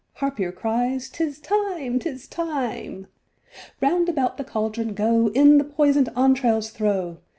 Harpier cries:—'Tis time, 'tis time. FIRST WITCH. Round about the cauldron go; In the poison'd entrails throw.